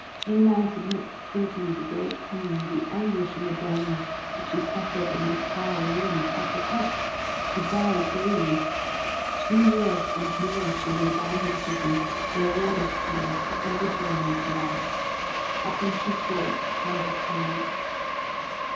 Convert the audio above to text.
No man could make clear to you the great pain, the anguish and the dolour, that she suffered in this tower, wherein, I protest, she died daily. Two years and more she lay bound in prison, where warders came, but never joy or delight. Often she thought upon her friend.